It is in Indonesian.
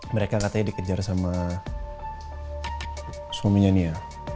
mereka katanya dikejar sama suaminya nia